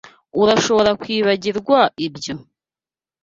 Urashobora kwibagirwa ibyo.